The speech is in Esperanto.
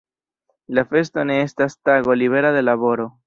La festo ne estas tago libera de laboro.